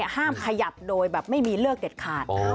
ห้ามขยับโดยแบบไม่มีเลือกเด็ดขาด